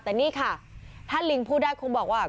แต่นี่ค่ะถ้าลิงพูดได้คงบอกว่า